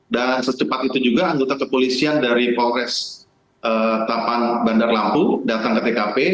dan secepat itu juga anggota kepolisian dari polres tapan bandar lampung datang ke tkp